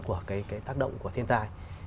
của cái tác động của thiên tai